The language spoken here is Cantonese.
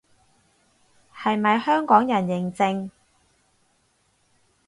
係咪香港人認證